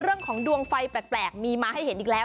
เรื่องของดวงไฟแปลกมีมาให้เห็นอีกแล้ว